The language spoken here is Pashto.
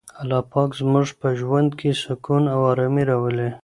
الله پاک زموږ په ژوند کي سکون او ارامي راولي.